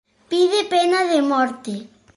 Pide pena de morte.